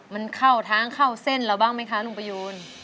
มันเข้าทางเข้าเส้นเราบ้างไหมคะลุงประยูน